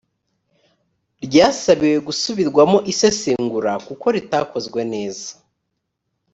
ryasabiwe gusubirwamo isesengura kuko ritakozwe neza